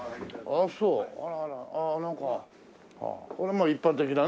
ああなんかこれまあ一般的なね。